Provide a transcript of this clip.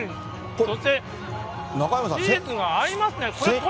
そしてチーズが合いますね。